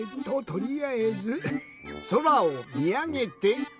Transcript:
とりあえずそらをみあげて。